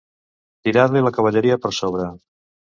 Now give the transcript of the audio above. Tirar-li la cavalleria per sobre.